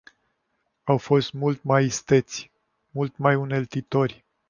Au fost mult mai isteți, mult mai uneltitori.